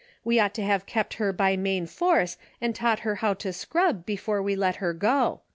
We ought to have kept her by main force and taught her how to scrub, before we let her go.